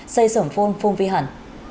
xây sổng phôn phôn vi hẳn